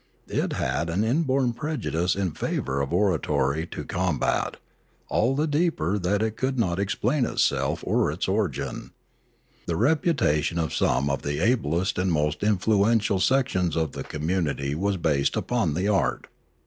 It had an inborn prejudice in favour of oratory to com bat, all the deeper that it could not explain itself or its An Epidemic 401 origin. The reputation of some of the ablest and most influential sections of the community was based upon the art.